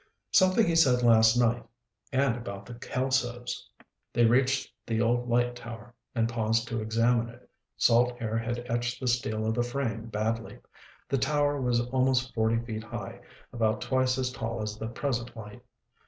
"Something he said last night. And about the Kelsos." They reached the old light tower and paused to examine it. Salt air had etched the steel of the frame badly. The tower was almost forty feet high, about twice as tall as the present light.